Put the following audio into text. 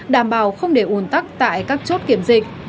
đảm bảo không để ủn tắc tại các chốt kiểm dịch